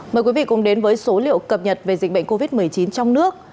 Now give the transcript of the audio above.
mời quý vị cùng đến với số liệu cập nhật về dịch bệnh covid một mươi chín trong nước